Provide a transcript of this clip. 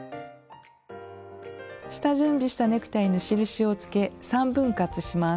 下準備したネクタイに印をつけ３分割します。